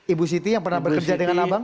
ibu siti yang pernah bekerja dengan abang